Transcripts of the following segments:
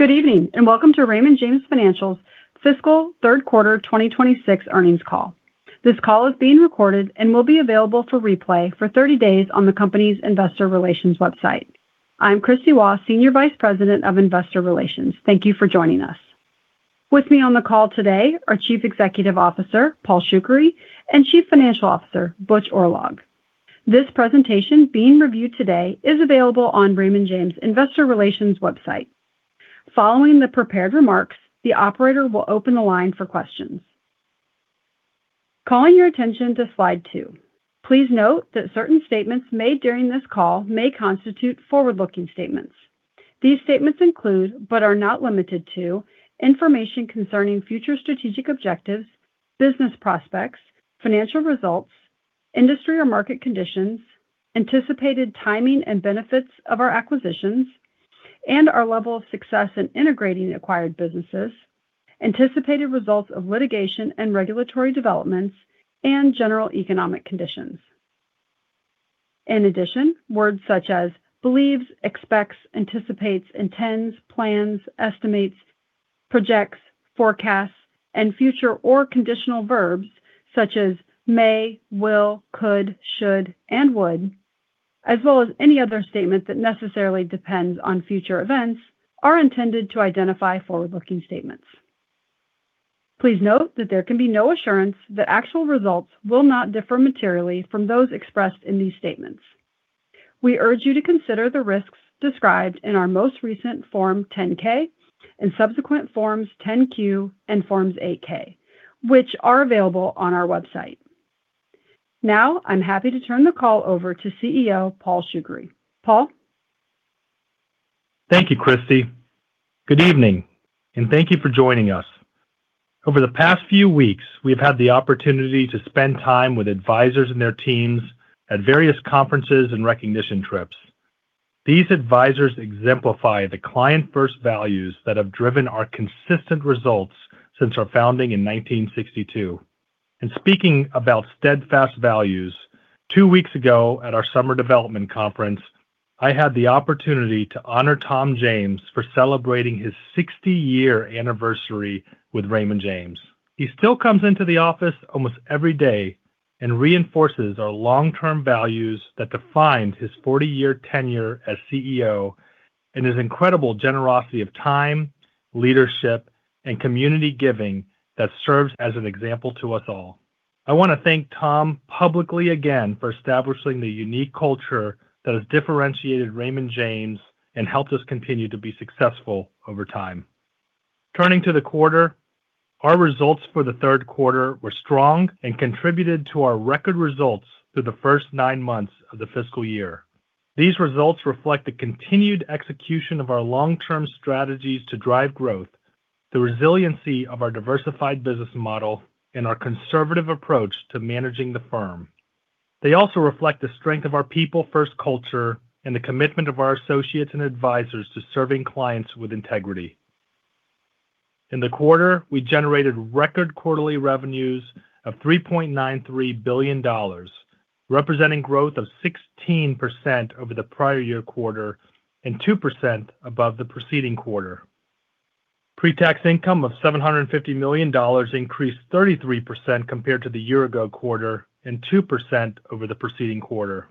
Good evening, welcome to Raymond James Financial's fiscal Q3 2026 earnings call. This call is being recorded and will be available for replay for 30 days on the company's investor relations website. I'm Kristie Waugh, Senior Vice President of Investor Relations. Thank you for joining us. With me on the call today are Chief Executive Officer, Paul Shoukry, and Chief Financial Officer, Butch Oorlog. This presentation being reviewed today is available on Raymond James's investor relations website. Following the prepared remarks, the operator will open the line for questions. Calling your attention to slide two. Please note that certain statements made during this call may constitute forward-looking statements. These statements include, but are not limited to, information concerning future strategic objectives, business prospects, financial results, industry or market conditions, anticipated timing and benefits of our acquisitions, and our level of success in integrating acquired businesses, anticipated results of litigation and regulatory developments, and general economic conditions. In addition, words such as believes, expects, anticipates, intends, plans, estimates, projects, forecasts, and future or conditional verbs such as may, will, could, should, and would, as well as any other statement that necessarily depends on future events, are intended to identify forward-looking statements. Please note that there can be no assurance that actual results will not differ materially from those expressed in these statements. We urge you to consider the risks described in our most recent Form 10-K and subsequent Forms 10-Q and Forms 8-K, which are available on our website. Now, I'm happy to turn the call over to CEO Paul Shoukry. Paul? Thank you, Kristie. Good evening, thank you for joining us. Over the past few weeks, we've had the opportunity to spend time with advisors and their teams at various conferences and recognition trips. These advisors exemplify the client-first values that have driven our consistent results since our founding in 1962. Speaking about steadfast values, two weeks ago at our summer development conference, I had the opportunity to honor Tom James for celebrating his 60-year anniversary with Raymond James. He still comes into the office almost every day and reinforces our long-term values that defined his 40-year tenure as CEO, and his incredible generosity of time, leadership, and community giving that serves as an example to us all. I want to thank Tom publicly again for establishing the unique culture that has differentiated Raymond James and helped us continue to be successful over time. Turning to the quarter, our results for the Q3 were strong and contributed to our record results through the first nine months of the fiscal year. These results reflect the continued execution of our long-term strategies to drive growth, the resiliency of our diversified business model, and our conservative approach to managing the firm. They also reflect the strength of our people-first culture and the commitment of our associates and advisors to serving clients with integrity. In the quarter, we generated record quarterly revenues of $3.93 billion, representing growth of 16% over the prior year quarter and 2% above the preceding quarter. Pre-tax income of $750 million increased 33% compared to the year-ago quarter and 2% over the preceding quarter.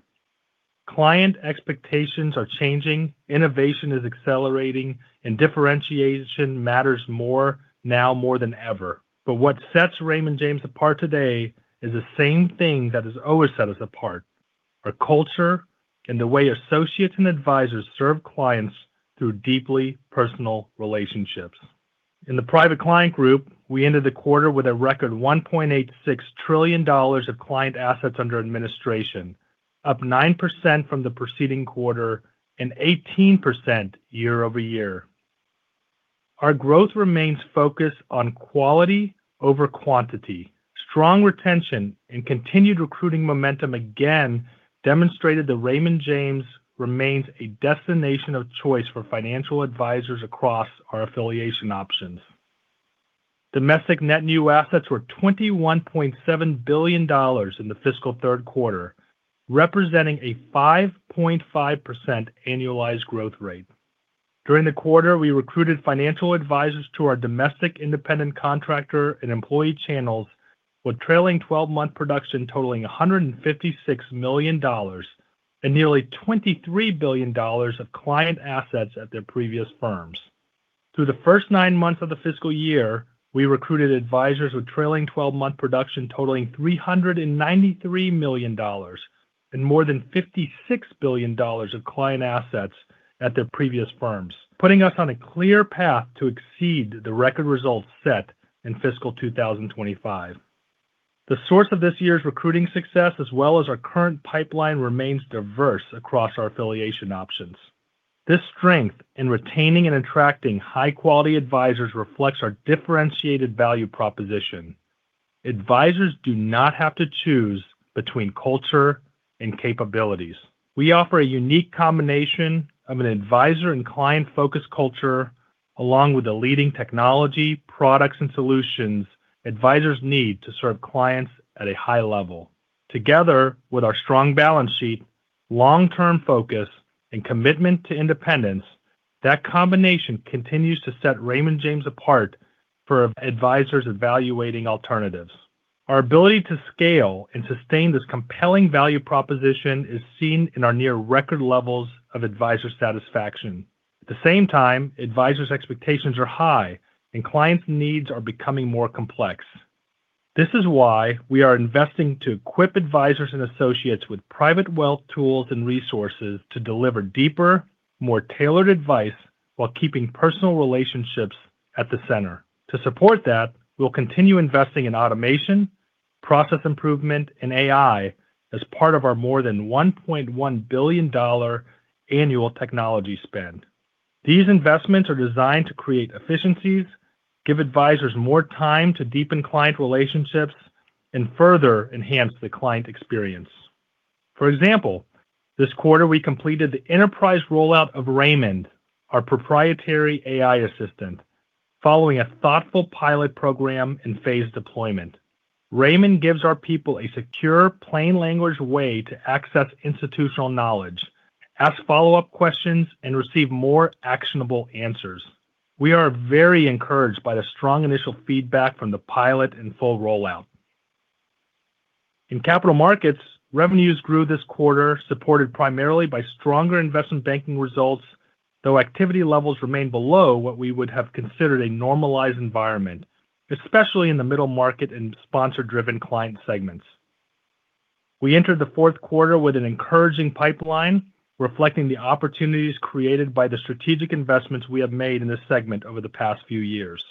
Client expectations are changing, innovation is accelerating, and differentiation matters more now more than ever. What sets Raymond James apart today is the same thing that has always set us apart, our culture and the way associates and advisors serve clients through deeply personal relationships. In the Private Client Group, we ended the quarter with a record $1.86 trillion of client assets under administration, up 9% from the preceding quarter and 18% year-over-year. Our growth remains focused on quality over quantity. Strong retention and continued recruiting momentum again demonstrated that Raymond James remains a destination of choice for financial advisors across our affiliation options. Domestic net new assets were $21.7 billion in the fiscal Q3, representing a 5.5% annualized growth rate. During the quarter, we recruited financial advisors to our domestic independent contractor and employee channels, with trailing 12-month production totaling $156 million and nearly $23 billion of client assets at their previous firms. Through the first nine months of the fiscal year, we recruited advisors with trailing 12-month production totaling $393 million and more than $56 billion of client assets at their previous firms, putting us on a clear path to exceed the record results set in FY 2025. The source of this year's recruiting success as well as our current pipeline remains diverse across our affiliation options. This strength in retaining and attracting high-quality advisors reflects our differentiated value proposition. Advisors do not have to choose between culture and capabilities. We offer a unique combination of an advisor and client-focused culture along with the leading technology products and solutions advisors need to serve clients at a high level. Together with our strong balance sheet, long-term focus and commitment to independence, that combination continues to set Raymond James apart for advisors evaluating alternatives. Our ability to scale and sustain this compelling value proposition is seen in our near record levels of advisor satisfaction. At the same time, advisors' expectations are high, and clients' needs are becoming more complex. This is why we are investing to equip advisors and associates with private wealth tools and resources to deliver deeper, more tailored advice while keeping personal relationships at the center. To support that, we'll continue investing in automation, process improvement, and AI as part of our more than $1.1 billion annual technology spend. These investments are designed to create efficiencies, give advisors more time to deepen client relationships, and further enhance the client experience. For example, this quarter, we completed the enterprise rollout of Rai, our proprietary AI assistant, following a thoughtful pilot program and phased deployment. Rai gives our people a secure, plain language way to access institutional knowledge, ask follow-up questions, and receive more actionable answers. We are very encouraged by the strong initial feedback from the pilot and full rollout. In Capital Markets, revenues grew this quarter, supported primarily by stronger investment banking results, though activity levels remain below what we would have considered a normalized environment, especially in the middle market and sponsor-driven client segments. We entered the Q4 with an encouraging pipeline, reflecting the opportunities created by the strategic investments we have made in this segment over the past few years.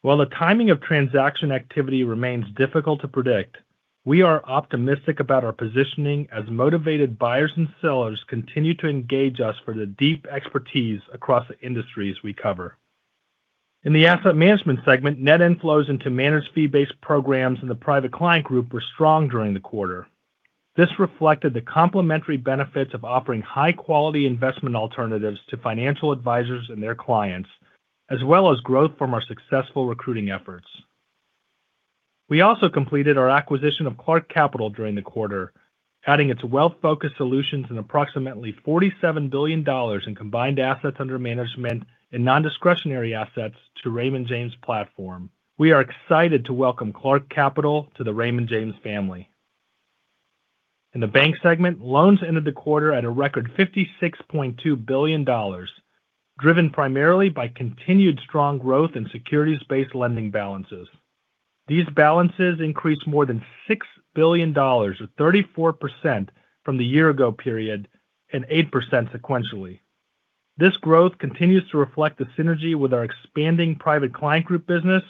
While the timing of transaction activity remains difficult to predict, we are optimistic about our positioning as motivated buyers and sellers continue to engage us for the deep expertise across the industries we cover. In the asset management segment, net inflows into managed fee-based programs in the Private Client Group were strong during the quarter. This reflected the complementary benefits of offering high-quality investment alternatives to financial advisors and their clients, as well as growth from our successful recruiting efforts. We also completed our acquisition of Clark Capital during the quarter, adding its wealth-focused solutions and approximately $47 billion in combined assets under management and non-discretionary assets to Raymond James' platform. We are excited to welcome Clark Capital to the Raymond James family. In the bank segment, loans ended the quarter at a record $56.2 billion, driven primarily by continued strong growth in securities-based lending balances. These balances increased more than $6 billion, or 34%, from the year-ago period and 8% sequentially. This growth continues to reflect the synergy with our expanding Private Client Group business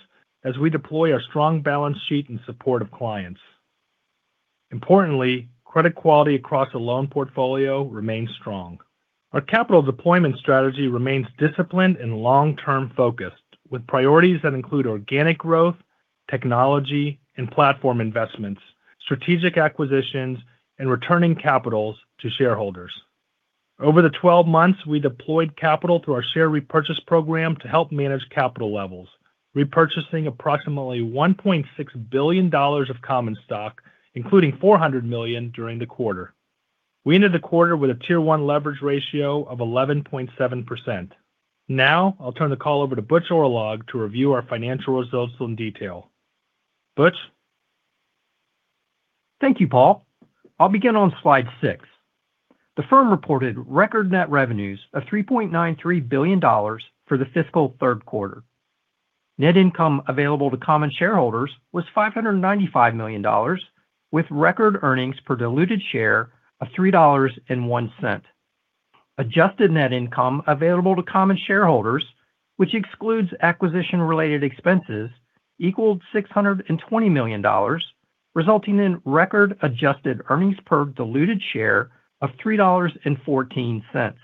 as we deploy our strong balance sheet in support of clients. Importantly, credit quality across the loan portfolio remains strong. Our capital deployment strategy remains disciplined and long-term focused, with priorities that include organic growth, technology and platform investments, strategic acquisitions, and returning capitals to shareholders. Over the 12 months, we deployed capital through our share repurchase program to help manage capital levels, repurchasing approximately $1.6 billion of common stock, including $400 million during the quarter. We ended the quarter with a Tier 1 leverage ratio of 11.7%. I'll turn the call over to Butch Oorlog to review our financial results in detail. Butch? Thank you, Paul. I'll begin on slide six. The firm reported record net revenues of $3.93 billion for the fiscal Q3. Net income available to common shareholders was $595 million, with record earnings per diluted share of $3.01. Adjusted net income available to common shareholders, which excludes acquisition-related expenses, equaled $620 million, resulting in record adjusted earnings per diluted share of $3.14.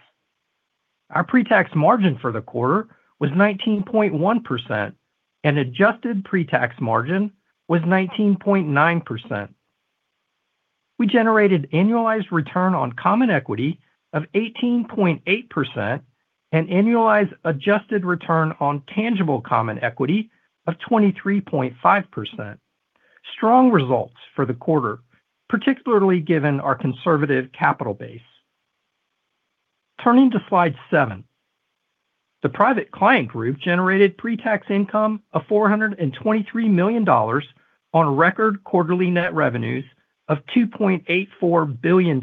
Our pre-tax margin for the quarter was 19.1%, and adjusted pre-tax margin was 19.9%. We generated annualized return on common equity of 18.8% and annualized adjusted return on tangible common equity of 23.5%. Strong results for the quarter, particularly given our conservative capital base. Turning to slide seven. The Private Client Group generated pre-tax income of $423 million on record quarterly net revenues of $2.84 billion.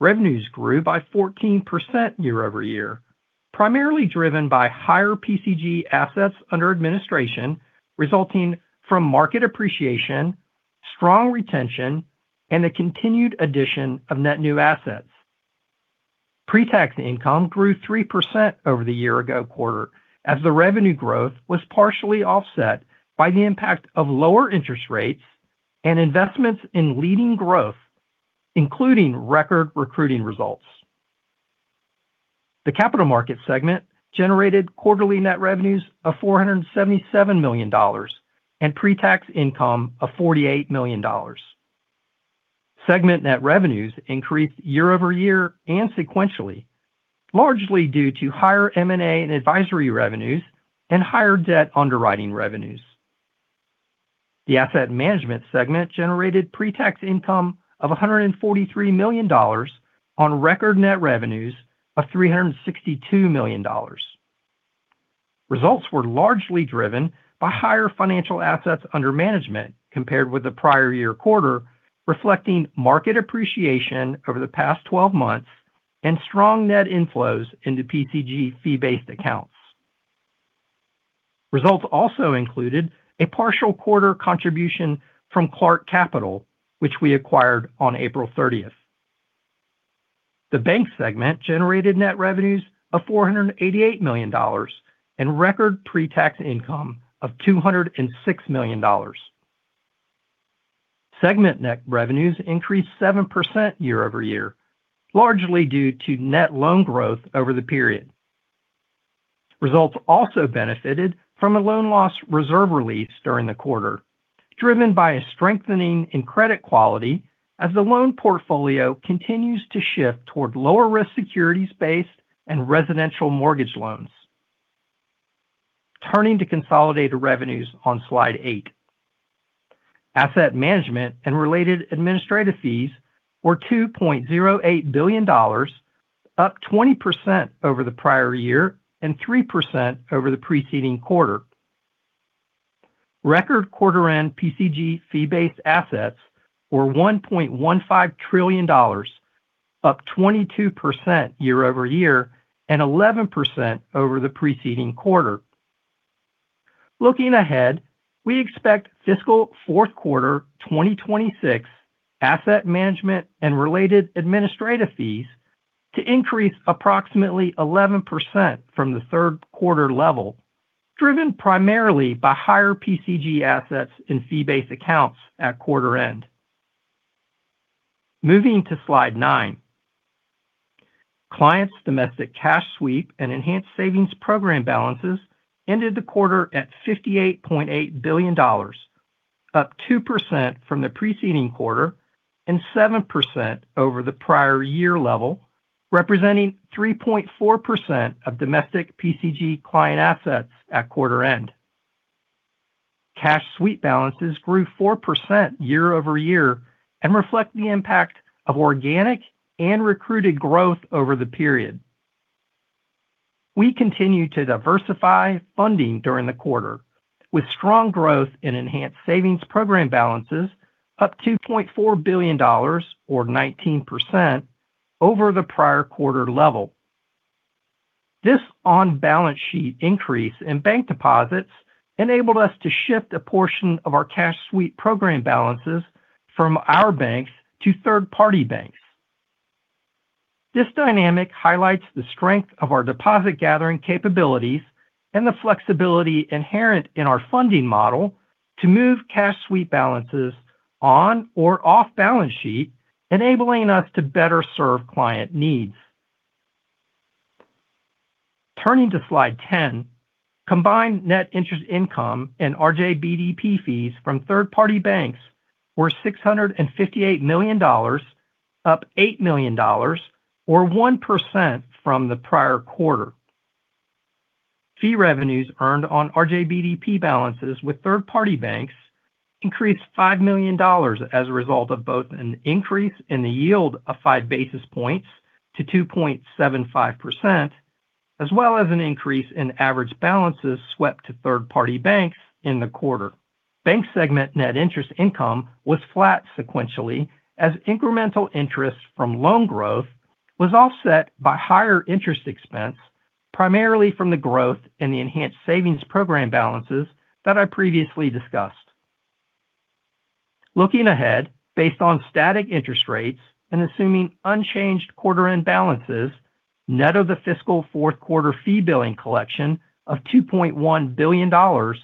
Revenues grew by 14% year-over-year, primarily driven by higher PCG assets under administration, resulting from market appreciation, strong retention, and the continued addition of net new assets. Pre-tax income grew 3% over the year ago quarter as the revenue growth was partially offset by the impact of lower interest rates and investments in leading growth, including record recruiting results. The Capital Markets segment generated quarterly net revenues of $477 million and pre-tax income of $48 million. Segment net revenues increased year-over-year and sequentially, largely due to higher M&A and advisory revenues and higher debt underwriting revenues. The Asset Management segment generated pre-tax income of $143 million on record net revenues of $362 million. Results were largely driven by higher financial assets under management compared with the prior year quarter, reflecting market appreciation over the past 12 months and strong net inflows into PCG fee-based accounts. Results also included a partial quarter contribution from Clark Capital, which we acquired on April 30th. The bank segment generated net revenues of $488 million and record pre-tax income of $206 million. Segment net revenues increased 7% year-over-year, largely due to net loan growth over the period. Results also benefited from a loan loss reserve release during the quarter, driven by a strengthening in credit quality as the loan portfolio continues to shift toward lower risk securities-based and residential mortgage loans. Turning to consolidated revenues on Slide 8. Asset Management and related administrative fees were $2.08 billion, up 20% over the prior year and 3% over the preceding quarter. Record quarter end PCG fee-based assets were $1.15 trillion, up 22% year-over-year and 11% over the preceding quarter. Looking ahead, we expect fiscal Q4 2026 Asset Management and related administrative fees to increase approximately 11% from the Q3 level, driven primarily by higher PCG assets in fee-based accounts at quarter end. Moving to Slide 9. Clients' domestic cash sweep and Enhanced Savings Program balances ended the quarter at $58.8 billion, up 2% from the preceding quarter and 7% over the prior year level, representing 3.4% of domestic PCG client assets at quarter end. Cash sweep balances grew 4% year-over-year and reflect the impact of organic and recruited growth over the period. We continue to diversify funding during the quarter, with strong growth in Enhanced Savings Program balances up $2.4 billion, or 19%, over the prior quarter level. This on-balance sheet increase in bank deposits enabled us to shift a portion of our cash sweep program balances from our banks to third-party banks. This dynamic highlights the strength of our deposit gathering capabilities and the flexibility inherent in our funding model to move cash sweep balances on or off balance sheet, enabling us to better serve client needs. Turning to Slide 10. Combined net interest income and RJBDP fees from third-party banks were $658 million, up $8 million, or 1% from the prior quarter. Fee revenues earned on RJBDP balances with third-party banks increased $5 million as a result of both an increase in the yield of five basis points to 2.75%, as well as an increase in average balances swept to third-party banks in the quarter. Bank segment net interest income was flat sequentially as incremental interest from loan growth was offset by higher interest expense, primarily from the growth in the Enhanced Savings Program balances that I previously discussed. Looking ahead, based on static interest rates and assuming unchanged quarter-end balances, net of the fiscal Q4 fee billing collection of $2.1 billion,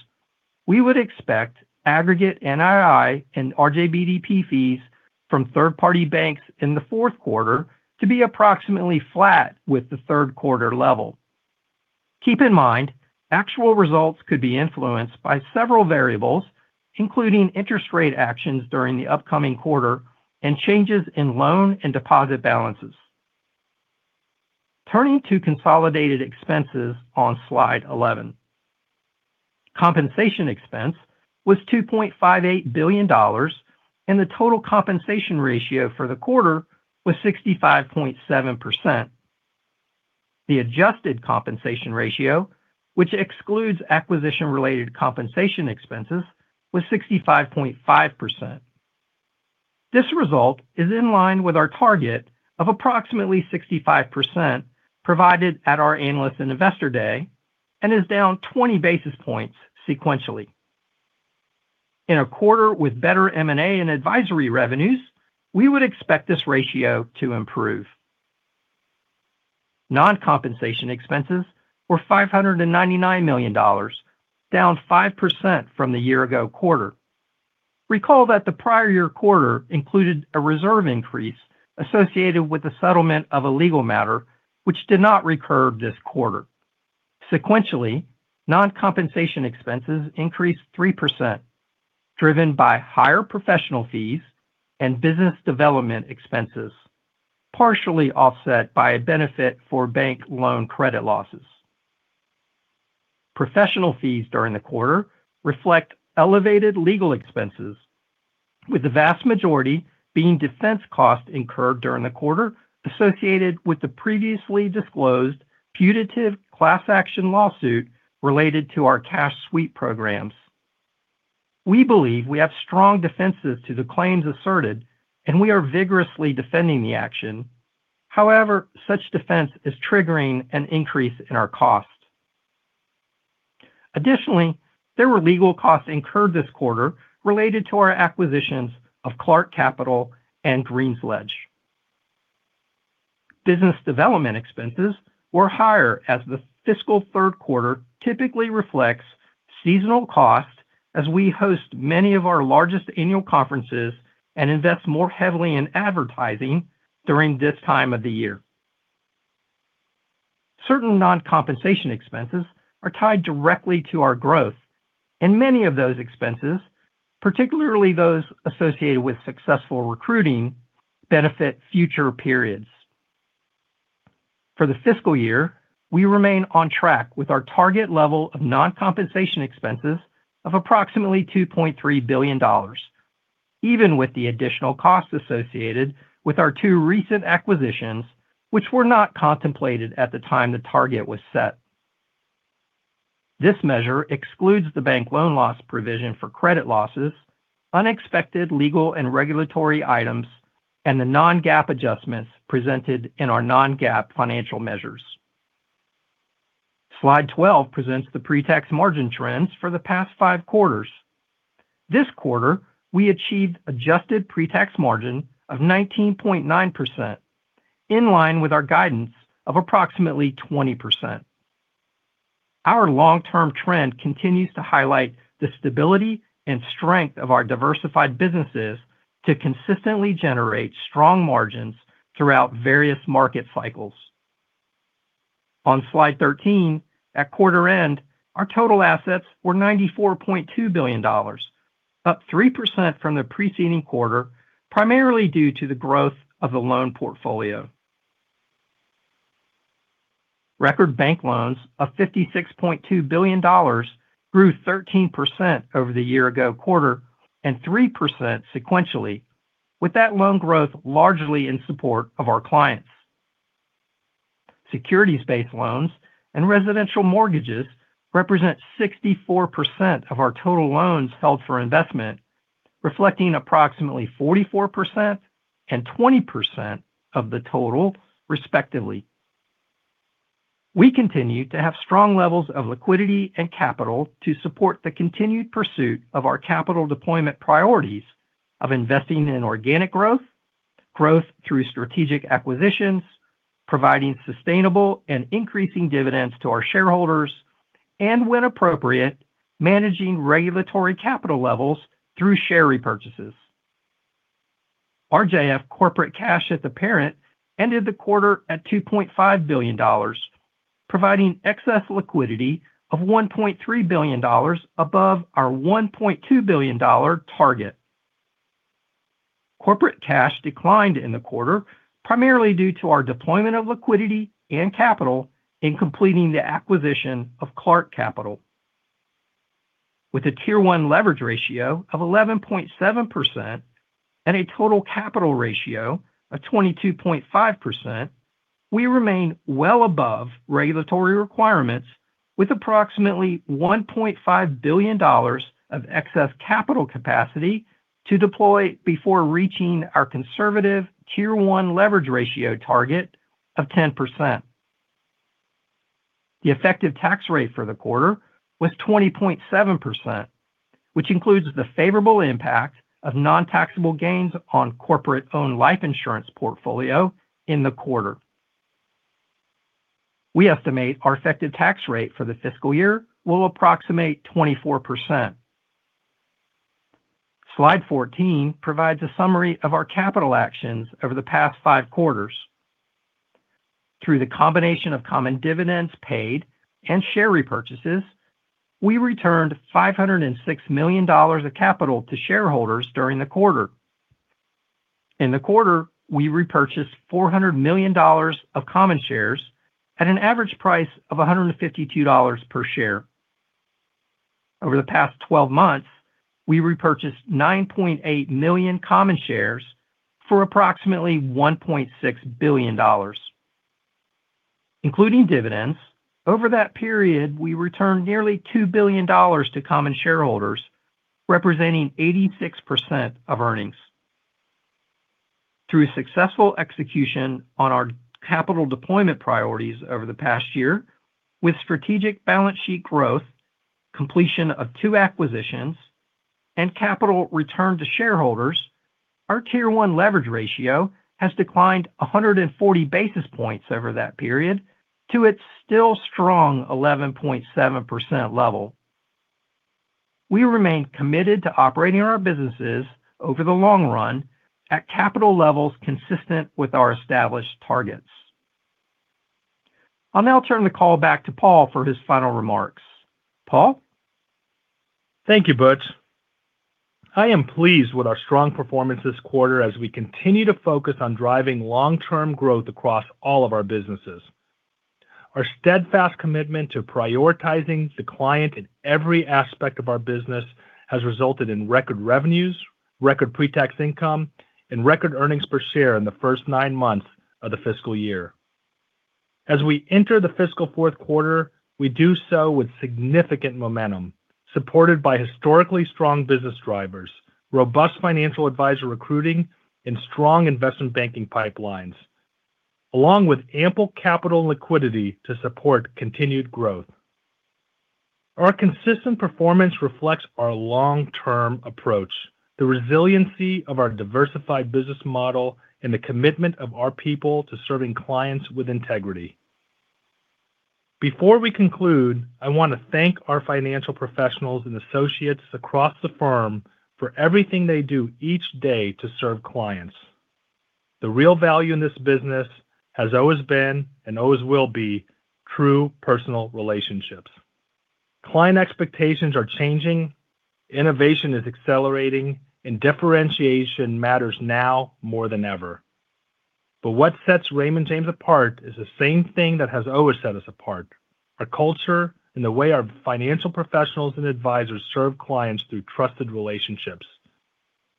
we would expect aggregate NII and RJBDP fees from third-party banks in the Q4 to be approximately flat with the Q3 level. Keep in mind, actual results could be influenced by several variables, including interest rate actions during the upcoming quarter and changes in loan and deposit balances. Turning to consolidated expenses on Slide 11. Compensation expense was $2.58 billion, and the total compensation ratio for the quarter was 65.7%. The adjusted compensation ratio, which excludes acquisition-related compensation expenses, was 65.5%. This result is in line with our target of approximately 65% provided at our Analyst and Investor Day and is down 20 basis points sequentially. In a quarter with better M&A and advisory revenues, we would expect this ratio to improve. Non-compensation expenses were $599 million, down 5% from the year ago quarter. Recall that the prior year quarter included a reserve increase associated with the settlement of a legal matter which did not recur this quarter. Sequentially, non-compensation expenses increased 3%, driven by higher professional fees and business development expenses, partially offset by a benefit for bank loan credit losses. Professional fees during the quarter reflect elevated legal expenses, with the vast majority being defense costs incurred during the quarter associated with the previously disclosed putative class action lawsuit related to our cash sweep programs. We believe we have strong defenses to the claims asserted, and we are vigorously defending the action. However, such defense is triggering an increase in our costs. Additionally, there were legal costs incurred this quarter related to our acquisitions of Clark Capital and GreensLedge. Business development expenses were higher as the fiscal Q3 typically reflects seasonal costs as we host many of our largest annual conferences and invest more heavily in advertising during this time of the year. Certain non-compensation expenses are tied directly to our growth, and many of those expenses, particularly those associated with successful recruiting, benefit future periods. For the fiscal year, we remain on track with our target level of non-compensation expenses of approximately $2.3 billion, even with the additional costs associated with our two recent acquisitions, which were not contemplated at the time the target was set. This measure excludes the bank loan loss provision for credit losses, unexpected legal and regulatory items, and the non-GAAP adjustments presented in our non-GAAP financial measures. Slide 12 presents the pre-tax margin trends for the past five quarters. This quarter, we achieved adjusted pre-tax margin of 19.9%, in line with our guidance of approximately 20%. Our long-term trend continues to highlight the stability and strength of our diversified businesses to consistently generate strong margins throughout various market cycles. On slide 13, at quarter end, our total assets were $94.2 billion, up 3% from the preceding quarter, primarily due to the growth of the loan portfolio. Record bank loans of $56.2 billion grew 13% over the year ago quarter and 3% sequentially, with that loan growth largely in support of our clients. Securities-based loans and residential mortgages represent 64% of our total loans held for investment, reflecting approximately 44% and 20% of the total, respectively. We continue to have strong levels of liquidity and capital to support the continued pursuit of our capital deployment priorities of investing in organic growth through strategic acquisitions, providing sustainable and increasing dividends to our shareholders, and when appropriate, managing regulatory capital levels through share repurchases. RJF corporate cash at the parent ended the quarter at $2.5 billion, providing excess liquidity of $1.3 billion above our $1.2 billion target. Corporate cash declined in the quarter, primarily due to our deployment of liquidity and capital in completing the acquisition of Clark Capital. With a Tier One leverage ratio of 11.7% and a total capital ratio of 22.5%, we remain well above regulatory requirements with approximately $1.5 billion of excess capital capacity to deploy before reaching our conservative Tier One leverage ratio target of 10%. The effective tax rate for the quarter was 20.7%, which includes the favorable impact of non-taxable gains on corporate-owned life insurance portfolio in the quarter. We estimate our effective tax rate for the fiscal year will approximate 24%. Slide 14 provides a summary of our capital actions over the past five quarters. Through the combination of common dividends paid and share repurchases, we returned $506 million of capital to shareholders during the quarter. In the quarter, we repurchased $400 million of common shares at an average price of $152 per share. Over the past 12 months, we repurchased 9.8 million common shares for approximately $1.6 billion. Including dividends, over that period, we returned nearly $2 billion to common shareholders, representing 86% of earnings. Through successful execution on our capital deployment priorities over the past year with strategic balance sheet growth, completion of two acquisitions, and capital return to shareholders, our Tier One leverage ratio has declined 140 basis points over that period to its still strong 11.7% level. We remain committed to operating our businesses over the long run at capital levels consistent with our established targets. I'll now turn the call back to Paul for his final remarks. Paul? Thank you, Butch. I am pleased with our strong performance this quarter as we continue to focus on driving long-term growth across all of our businesses. Our steadfast commitment to prioritizing the client in every aspect of our business has resulted in record revenues, record pre-tax income, and record earnings per share in the first nine months of the fiscal year. As we enter the fiscal Q4, we do so with significant momentum, supported by historically strong business drivers, robust financial advisor recruiting, and strong investment banking pipelines, along with ample capital and liquidity to support continued growth. Our consistent performance reflects our long-term approach, the resiliency of our diversified business model, and the commitment of our people to serving clients with integrity. Before we conclude, I want to thank our financial professionals and associates across the firm for everything they do each day to serve clients. The real value in this business has always been and always will be true personal relationships. Client expectations are changing, innovation is accelerating, and differentiation matters now more than ever. What sets Raymond James apart is the same thing that has always set us apart, our culture and the way our financial professionals and advisors serve clients through trusted relationships.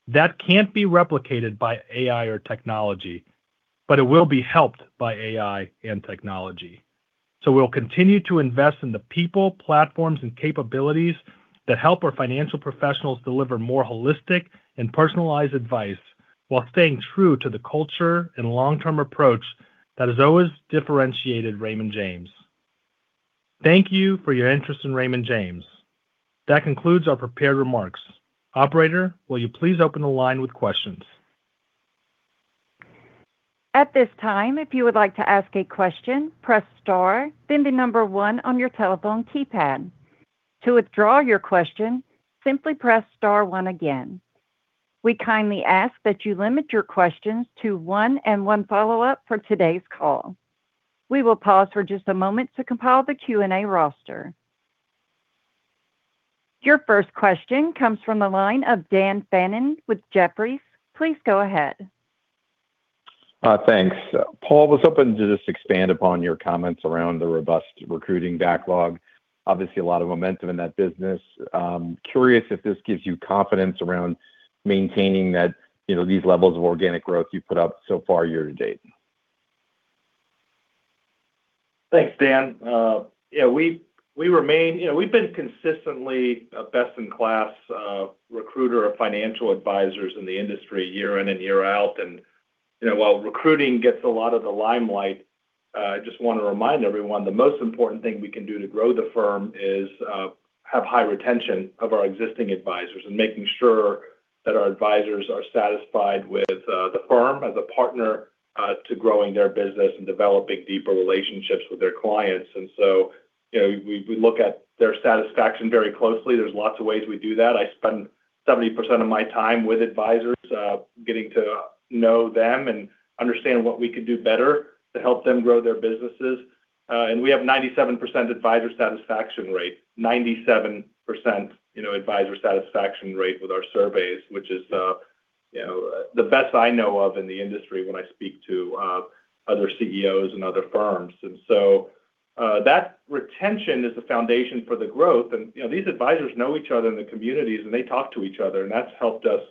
That can't be replicated by AI or technology, but it will be helped by AI and technology. We'll continue to invest in the people, platforms, and capabilities that help our financial professionals deliver more holistic and personalized advice while staying true to the culture and long-term approach that has always differentiated Raymond James. Thank you for your interest in Raymond James. That concludes our prepared remarks. Operator, will you please open the line with questions? At this time, if you would like to ask a question, press star, then the number one on your telephone keypad. To withdraw your question, simply press star one again. We kindly ask that you limit your questions to one and one follow-up for today's call. We will pause for just a moment to compile the Q&A roster. Your first question comes from the line of Dan Fannon with Jefferies. Please go ahead. Thanks. Paul, I was hoping to just expand upon your comments around the robust recruiting backlog. Obviously, a lot of momentum in that business. Curious if this gives you confidence around maintaining these levels of organic growth you've put up so far year to date. Thanks, Dan. We've been consistently a best-in-class recruiter of financial advisors in the industry year in and year out. While recruiting gets a lot of the limelight, I just want to remind everyone, the most important thing we can do to grow the firm is have high retention of our existing advisors and making sure that our advisors are satisfied with the firm as a partner to growing their business and developing deeper relationships with their clients. We look at their satisfaction very closely. There's lots of ways we do that. I spend 70% of my time with advisors, getting to know them and understand what we could do better to help them grow their businesses. We have 97% advisor satisfaction rate. 97% advisor satisfaction rate with our surveys, which is the best I know of in the industry when I speak to other CEOs and other firms. That retention is the foundation for the growth. These advisors know each other in the communities, and they talk to each other, and that's helped us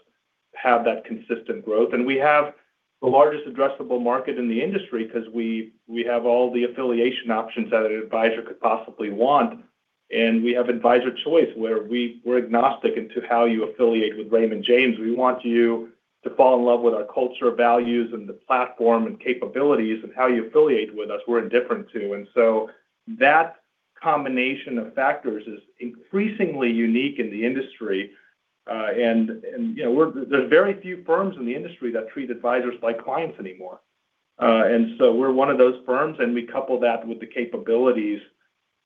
have that consistent growth. We have the largest addressable market in the industry because we have all the affiliation options that an advisor could possibly want. We have advisor choice where we're agnostic into how you affiliate with Raymond James. We want you to fall in love with our culture, values, and the platform and capabilities. How you affiliate with us, we're indifferent to. That combination of factors is increasingly unique in the industry. There's very few firms in the industry that treat advisors like clients anymore. We're one of those firms, and we couple that with the capabilities,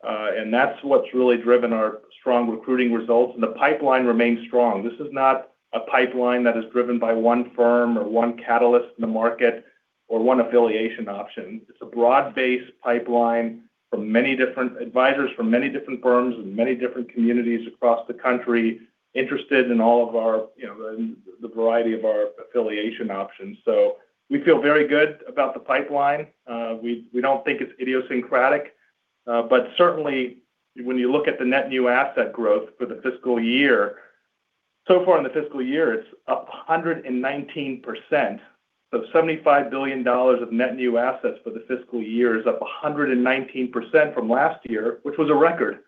and that's what's really driven our strong recruiting results. The pipeline remains strong. This is not a pipeline that is driven by one firm or one catalyst in the market, or one affiliation option. It's a broad-based pipeline from many different advisors from many different firms and many different communities across the country interested in all of the variety of our affiliation options. We feel very good about the pipeline. We don't think it's idiosyncratic. Certainly, when you look at the net new asset growth for the fiscal year, so far in the fiscal year, it's up 119%. So $75 billion of net new assets for the fiscal year is up 119% from last year, which was a record.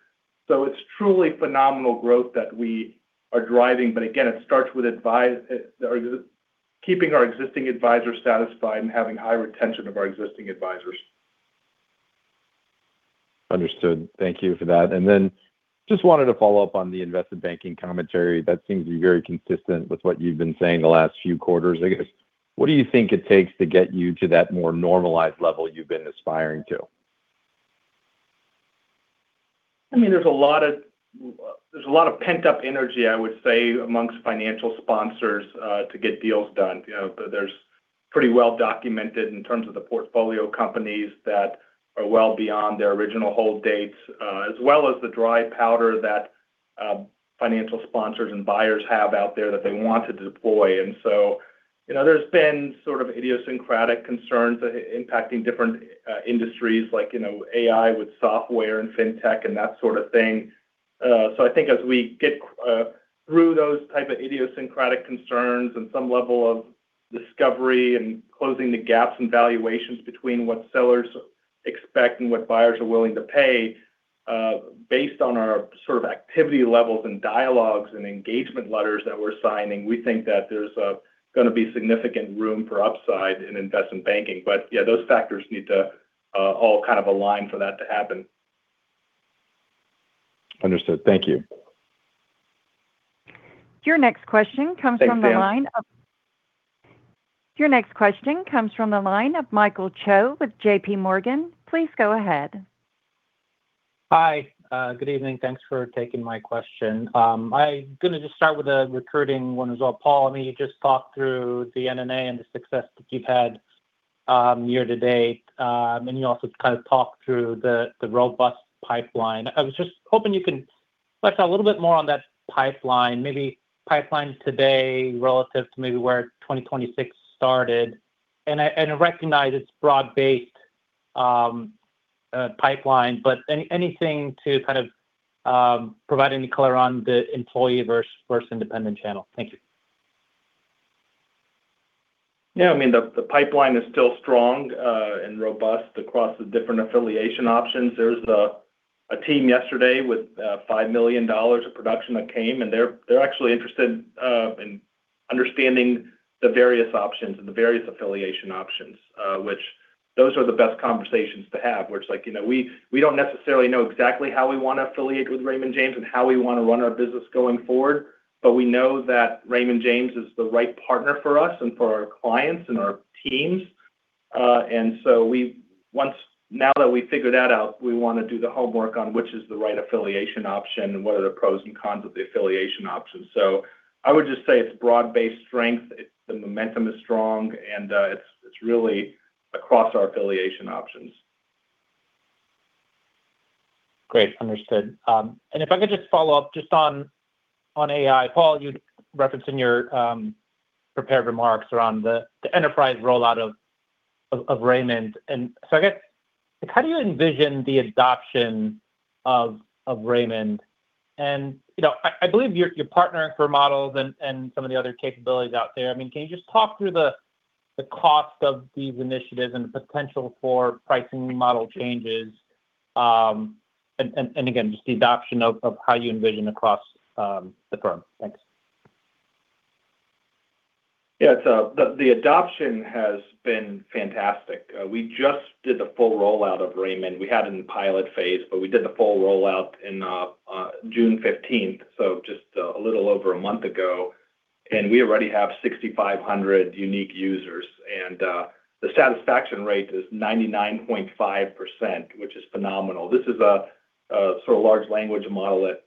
So it's truly phenomenal growth that we are driving. Again, it starts with keeping our existing advisors satisfied and having high retention of our existing advisors. Understood. Thank you for that. Just wanted to follow up on the investment banking commentary. That seems to be very consistent with what you've been saying the last few quarters. I guess, what do you think it takes to get you to that more normalized level you've been aspiring to? There's a lot of pent-up energy, I would say, amongst financial sponsors to get deals done. Pretty well documented in terms of the portfolio companies that are well beyond their original hold dates, as well as the dry powder that financial sponsors and buyers have out there that they want to deploy. There's been sort of idiosyncratic concerns impacting different industries like AI with software and fintech and that sort of thing. I think as we get through those type of idiosyncratic concerns and some level of discovery and closing the gaps in valuations between what sellers expect and what buyers are willing to pay based on our sort of activity levels and dialogues and engagement letters that we're signing. We think that there's going to be significant room for upside in investment banking. Yeah, those factors need to all kind of align for that to happen. Understood. Thank you. Your next question comes from the line of- Thanks, Dan. Your next question comes from the line of Michael Cho with JPMorgan. Please go ahead. Hi. Good evening. Thanks for taking my question. I'm going to just start with a recurring one as well. Paul, you just talked through the M&A and the success that you've had year to date. You also kind of talked through the robust pipeline. I was just hoping you could touch a little bit more on that pipeline, maybe pipeline today relative to maybe where 2026 started. I recognize it's broad-based pipeline, but anything to kind of provide any color on the employee versus independent channel? Thank you. Yeah, the pipeline is still strong and robust across the different affiliation options. There's a team yesterday with $5 million of production that came, and they're actually interested in understanding the various options and the various affiliation options, which those are the best conversations to have. Where it's like we don't necessarily know exactly how we want to affiliate with Raymond James and how we want to run our business going forward. We know that Raymond James is the right partner for us and for our clients and our teams. Now that we figured that out, we want to do the homework on which is the right affiliation option and what are the pros and cons of the affiliation options. I would just say it's broad-based strength. The momentum is strong, and it's really across our affiliation options. Great, understood. If I could just follow up just on AI. Paul, you referenced in your prepared remarks around the enterprise rollout of Rai. I guess, how do you envision the adoption of Rai? I believe you're partnering for models and some of the other capabilities out there. Can you just talk through the cost of these initiatives and the potential for pricing model changes? Again, just the adoption of how you envision across the firm. Thanks. Yeah. The adoption has been fantastic. We just did the full rollout of Rai. We had it in pilot phase, but we did the full rollout in June 15th, so just a little over a month ago. We already have 6,500 unique users. The satisfaction rate is 99.5%, which is phenomenal. This is a sort of large language model that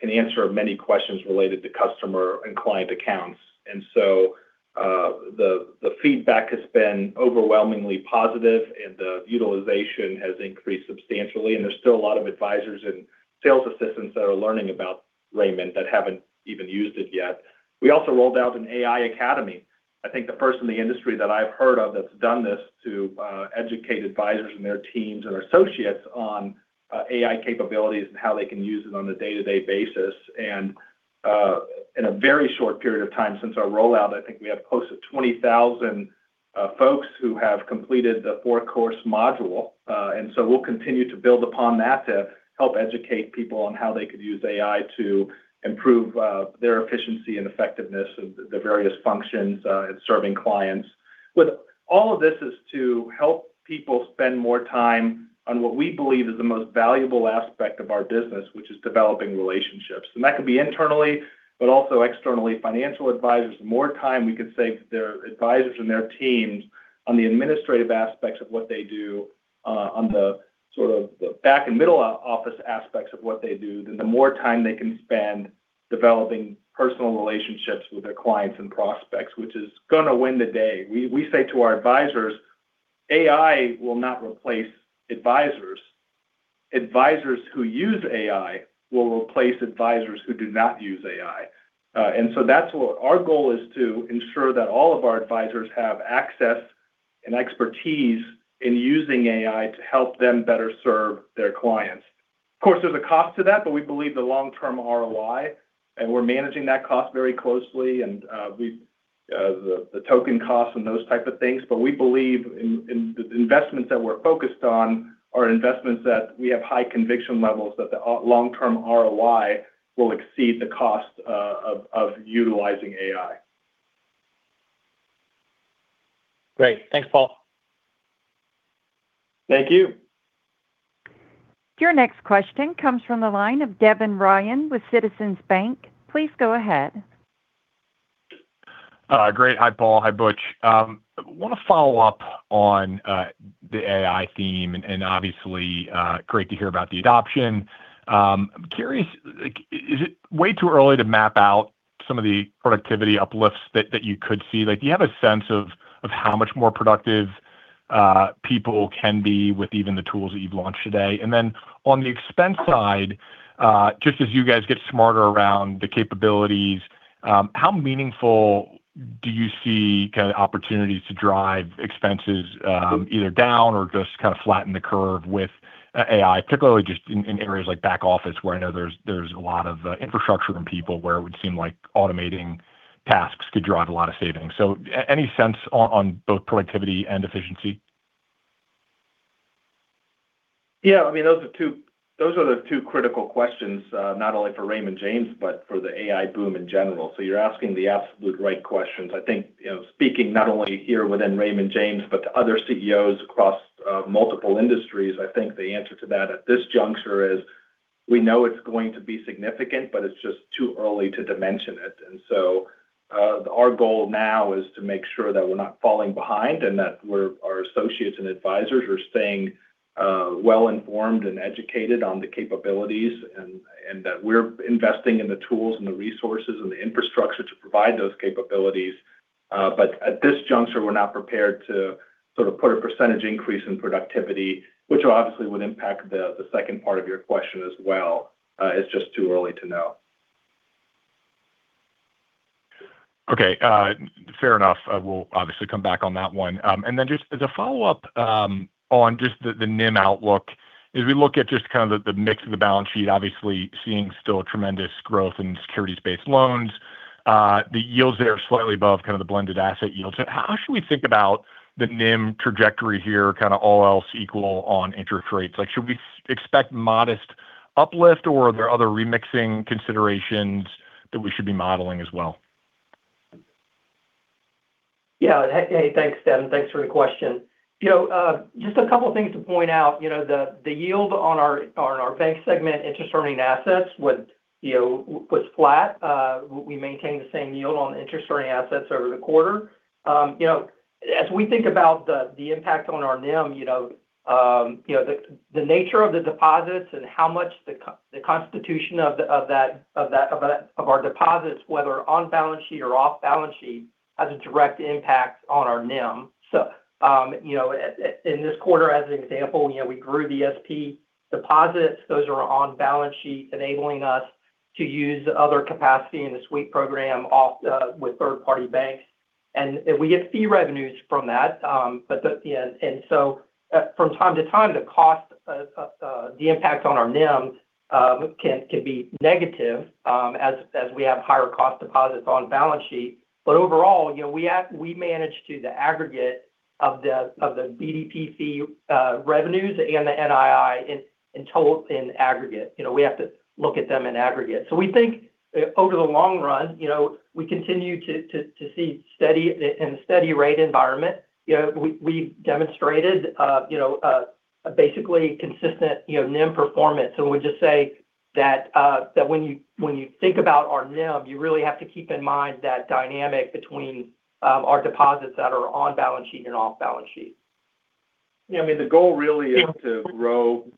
can answer many questions related to customer and client accounts. The feedback has been overwhelmingly positive and the utilization has increased substantially, and there's still a lot of advisors and sales assistants that are learning about Rai that haven't even used it yet. We also rolled out an AI academy. I think the first in the industry that I've heard of that's done this to educate advisors and their teams and associates on AI capabilities and how they can use it on a day-to-day basis. In a very short period of time since our rollout, I think we have close to 20,000 folks who have completed the four-course module. We'll continue to build upon that to help educate people on how they could use AI to improve their efficiency and effectiveness of the various functions in serving clients. All of this is to help people spend more time on what we believe is the most valuable aspect of our business, which is developing relationships. That could be internally but also externally. Financial advisors, the more time we could save their advisors and their teams on the administrative aspects of what they do on the sort of back and middle office aspects of what they do, then the more time they can spend developing personal relationships with their clients and prospects, which is going to win the day. We say to our advisors, AI will not replace advisors. Advisors who use AI will replace advisors who do not use AI. That's what our goal is to ensure that all of our advisors have access and expertise in using AI to help them better serve their clients. Of course, there's a cost to that, but we believe the long-term ROI, and we're managing that cost very closely, and the token costs and those type of things. We believe in the investments that we're focused on are investments that we have high conviction levels that the long-term ROI will exceed the cost of utilizing AI. Great. Thanks, Paul. Thank you. Your next question comes from the line of Devin Ryan with Citizens JMP. Please go ahead. Great. Hi, Paul. Hi, Butch. I want to follow up on the AI theme, and obviously great to hear about the adoption. I'm curious, is it way too early to map out some of the productivity uplifts that you could see? Do you have a sense of how much more productive people can be with even the tools that you've launched today? On the expense side, just as you guys get smarter around the capabilities, how meaningful do you see kind of opportunities to drive expenses either down or just kind of flatten the curve with AI, particularly just in areas like back office where I know there's a lot of infrastructure and people where it would seem like automating tasks could drive a lot of savings. Any sense on both productivity and efficiency? Yeah. Those are the two critical questions, not only for Raymond James, but for the AI boom in general. You're asking the absolute right questions. Speaking not only here within Raymond James, but to other CEOs across multiple industries, the answer to that at this juncture is we know it's going to be significant, but it's just too early to dimension it. Our goal now is to make sure that we're not falling behind, and that our associates and advisors are staying well-informed and educated on the capabilities, and that we're investing in the tools and the resources and the infrastructure to provide those capabilities. At this juncture, we're not prepared to sort of put a percentage increase in productivity, which obviously would impact the second part of your question as well. It's just too early to know. Okay. Fair enough. We'll obviously come back on that one. Just as a follow-up on just the NIM outlook, as we look at just kind of the mix of the balance sheet, obviously seeing still tremendous growth in securities-based loans. The yields there are slightly above kind of the blended asset yields. How should we think about the NIM trajectory here, kind of all else equal on interest rates? Should we expect modest uplift, or are there other remixing considerations that we should be modeling as well? Yeah. Hey, thanks, Devin. Thanks for the question. Just a couple of things to point out. The yield on our bank segment interest earning assets was flat. We maintained the same yield on interest earning assets over the quarter. As we think about the impact on our NIM, the nature of the deposits and how much the constitution of our deposits, whether on balance sheet or off balance sheet, has a direct impact on our NIM. In this quarter as an example, we grew the ESP deposits. Those are on balance sheet, enabling us to use other capacity in the suite program off with third-party banks. We get fee revenues from that. From time to time, the impact on our NIM can be negative as we have higher cost deposits on balance sheet. Overall, we manage to the aggregate of the BDP fee revenues and the NII in total in aggregate. We have to look at them in aggregate. We think over the long run, we continue to see in a steady rate environment. We've demonstrated basically consistent NIM performance. I would just say that when you think about our NIM, you really have to keep in mind that dynamic between our deposits that are on balance sheet and off balance sheet. Yeah, the goal really is to grow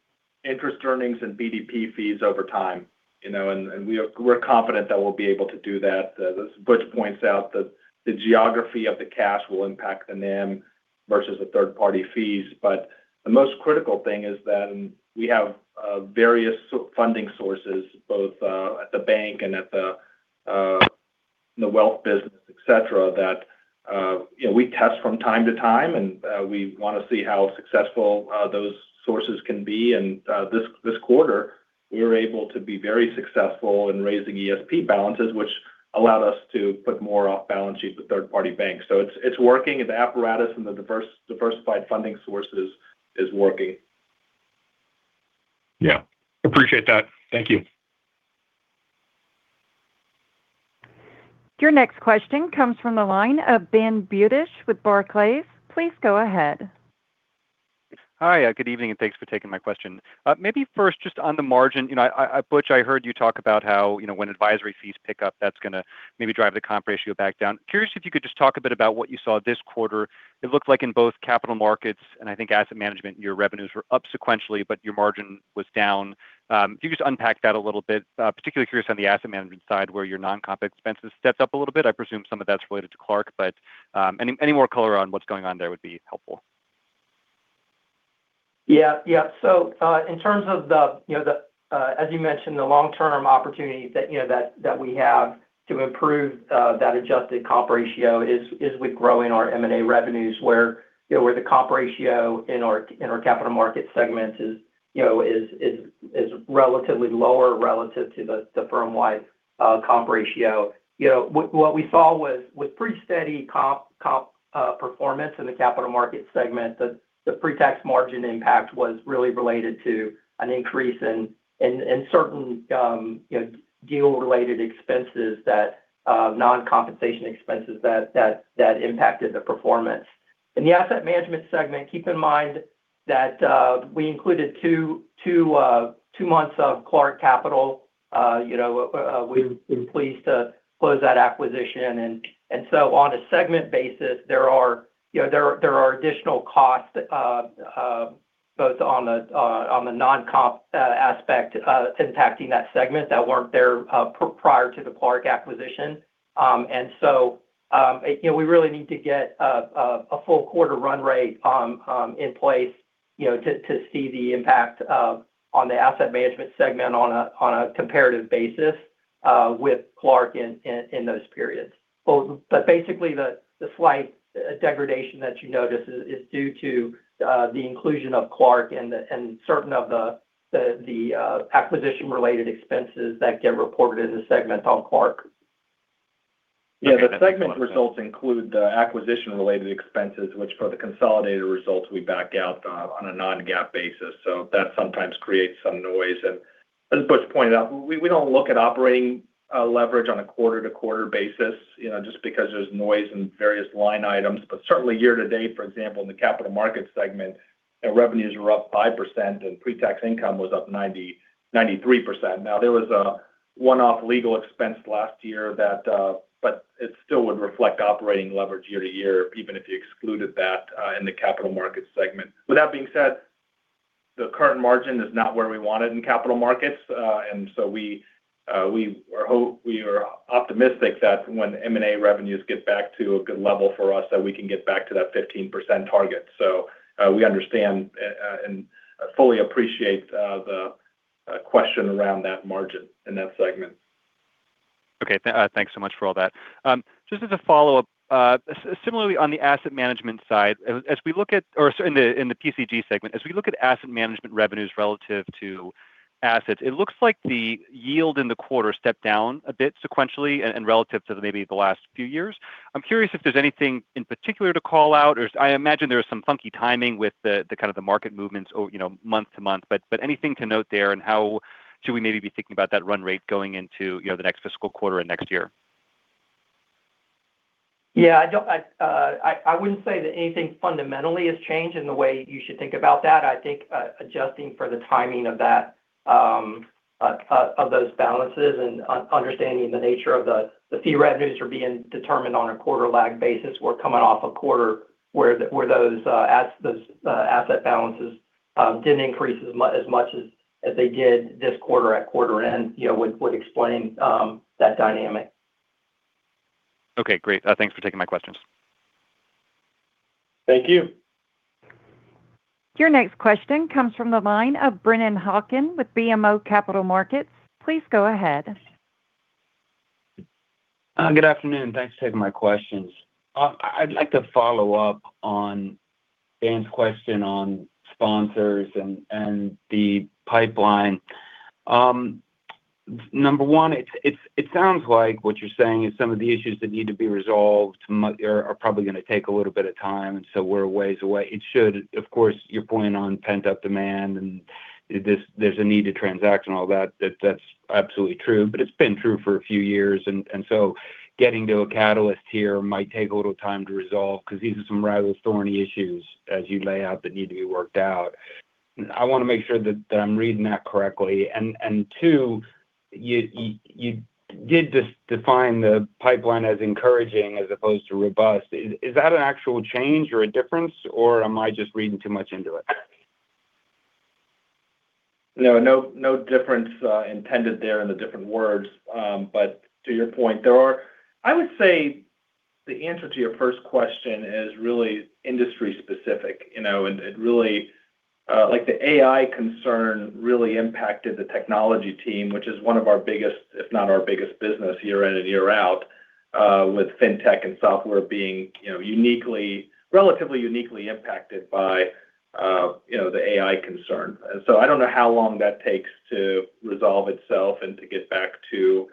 interest earnings and BDP fees over time. We're confident that we'll be able to do that. As Butch points out, the geography of the cash will impact the NIM versus the third-party fees. The most critical thing is that we have various funding sources both at the bank and at the wealth business, et cetera, that we test from time to time. We want to see how successful those sources can be. This quarter, we were able to be very successful in raising ESP balances, which allowed us to put more off balance sheet with third-party banks. It's working. The apparatus and the diversified funding sources is working. Yeah. Appreciate that. Thank you. Your next question comes from the line of Ben Budish with Barclays. Please go ahead. Hi. Good evening, and thanks for taking my question. Maybe first, just on the margin. Butch, I heard you talk about how when advisory fees pick up, that's going to maybe drive the comp ratio back down. Curious if you could just talk a bit about what you saw this quarter. It looked like in both Capital Markets and I think asset management, your revenues were up sequentially, but your margin was down. If you could just unpack that a little bit. Particularly curious on the asset management side where your non-comp expenses stepped up a little bit. I presume some of that's related to Clark, but any more color on what's going on there would be helpful. Yeah. In terms of the, as you mentioned, the long-term opportunities that we have to improve that adjusted comp ratio is with growing our M&A revenues where the comp ratio in our Capital Markets segment is relatively lower relative to the firm-wide comp ratio. What we saw was with pretty steady comp performance in the Capital Markets segment, the pre-tax margin impact was really related to an increase in certain deal-related expenses, non-compensation expenses that impacted the performance. In the asset management segment, keep in mind we included two months of Clark Capital. We've been pleased to close that acquisition. On a segment basis, there are additional costs, both on the non-comp aspect impacting that segment that weren't there prior to the Clark acquisition. We really need to get a full quarter run rate in place to see the impact on the asset management segment on a comparative basis with Clark in those periods. Basically, the slight degradation that you notice is due to the inclusion of Clark and certain of the acquisition-related expenses that get reported as a segment on Clark. Yeah. The segment results include the acquisition-related expenses, which for the consolidated results, we back out on a non-GAAP basis. That sometimes creates some noise. As Butch pointed out, we don't look at operating leverage on a quarter-to-quarter basis, just because there's noise and various line items. Certainly year-to-date, for example, in the Capital Markets segment, our revenues were up 5% and pre-tax income was up 93%. Now, there was a one-off legal expense last year, but it still would reflect operating leverage year-to-year, even if you excluded that in the Capital Markets segment. With that being said, the current margin is not where we want it in Capital Markets. We are optimistic that when M&A revenues get back to a good level for us, that we can get back to that 15% target. We understand and fully appreciate the question around that margin in that segment. Okay. Thanks so much for all that. Just as a follow-up, similarly on the asset management side, in the PCG segment, as we look at asset management revenues relative to assets, it looks like the yield in the quarter stepped down a bit sequentially and relative to maybe the last few years. I'm curious if there's anything in particular to call out, or I imagine there was some funky timing with the kind of the market movements month-to-month, but anything to note there, and how should we maybe be thinking about that run rate going into the next fiscal quarter and next year? Yeah, I wouldn't say that anything fundamentally has changed in the way you should think about that. I think adjusting for the timing of those balances and understanding the nature of the fee revenues are being determined on a quarter lag basis. We're coming off a quarter where those asset balances didn't increase as much as they did this quarter-at-quarter end, would explain that dynamic. Okay, great. Thanks for taking my questions. Thank you. Your next question comes from the line of Brennan Hawken with BMO Capital Markets. Please go ahead. Good afternoon. Thanks for taking my questions. I'd like to follow up on Dan's question on sponsors and the pipeline. Number one, it sounds like what you're saying is some of the issues that need to be resolved are probably going to take a little bit of time, so we're a ways away. Of course, your point on pent-up demand, and there's a need to transact and all that's absolutely true, it's been true for a few years. Getting to a catalyst here might take a little time to resolve because these are some rather thorny issues as you lay out that need to be worked out. I want to make sure that I'm reading that correctly. two, you did define the pipeline as encouraging as opposed to robust. Is that an actual change or a difference or am I just reading too much into it? No, no difference intended there in the different words. To your point, I would say the answer to your first question is really industry specific. Really, like the AI concern really impacted the technology team, which is one of our biggest, if not our biggest business year in and year out with fintech and software being relatively uniquely impacted by the AI concern. I don't know how long that takes to resolve itself and to get back to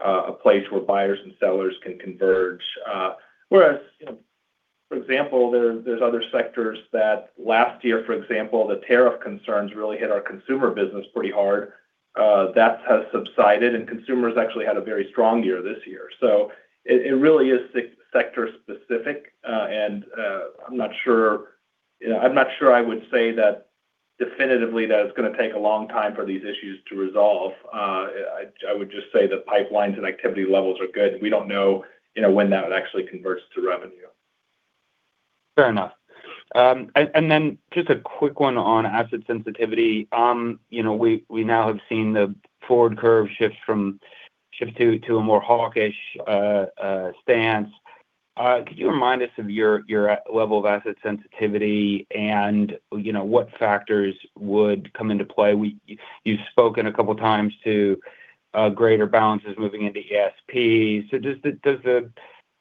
a place where buyers and sellers can converge. Whereas, for example, there's other sectors that last year, for example, the tariff concerns really hit our consumer business pretty hard. That has subsided and consumers actually had a very strong year this year. It really is sector specific. I'm not sure I would say that definitively that it's going to take a long time for these issues to resolve. I would just say the pipelines and activity levels are good. We don't know when that would actually converts to revenue. Fair enough. Just a quick one on asset sensitivity. We now have seen the forward curve shift to a more hawkish stance. Could you remind us of your level of asset sensitivity and what factors would come into play? Does the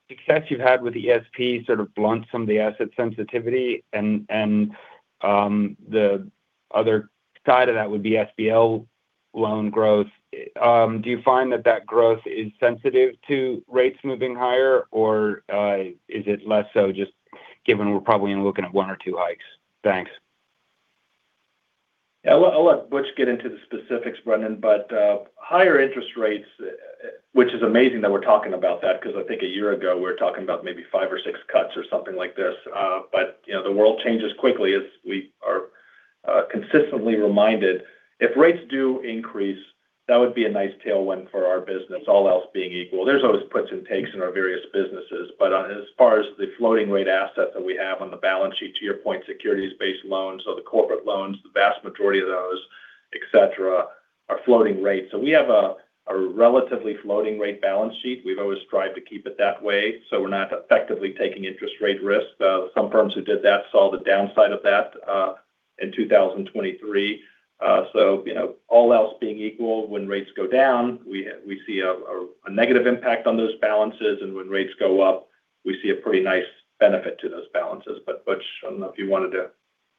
success you've had with ESP sort of blunt some of the asset sensitivity? The other side of that would be SBL loan growth. Do you find that growth is sensitive to rates moving higher? Is it less so just given we're probably only looking at one or two hikes? Thanks. Yeah. I'll let Butch get into the specifics,. Higher interest rates, which is amazing that we're talking about that because I think a year ago we were talking about maybe five or six cuts or something like this. The world changes quickly as we are consistently reminded. If rates do increase, that would be a nice tailwind for our business, all else being equal. There's always puts and takes in our various businesses. As far as the floating rate asset that we have on the balance sheet, to your point, securities-based loans, so the corporate loans, the vast majority of those, et cetera, are floating rates. We have a relatively floating rate balance sheet. We've always tried to keep it that way, so we're not effectively taking interest rate risk. Some firms who did that saw the downside of that in 2023. All else being equal, when rates go down, we see a negative impact on those balances, and when rates go up, we see a pretty nice benefit to those balances. Butch, I don't know if you wanted to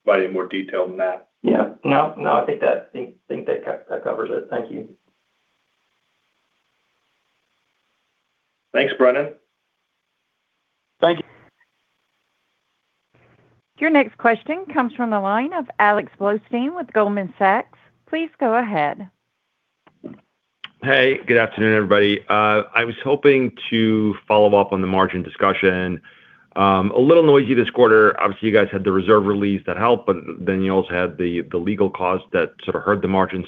provide any more detail than that. Yeah. No, I think that covers it. Thank you. Thanks, Brennan. Thank you. Your next question comes from the line of Alex Blostein with Goldman Sachs. Please go ahead. Hey, good afternoon, everybody. I was hoping to follow up on the margin discussion. A little noisy this quarter. Obviously, you guys had the reserve release that helped. You also had the legal cost that sort of hurt the margin.